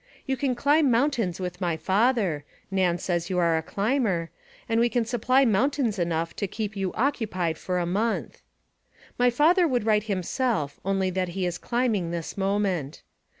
You can climb mountains with my father Nan says you are a climber and we can supply mountains enough to keep you occupied for a month. 'My father would write himself, only that he is climbing this moment.